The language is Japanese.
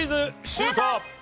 シュート！